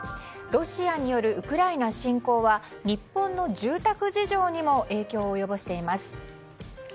ロシアによるウクライナ侵攻は日本の住宅事情にも影響を及ぼしています。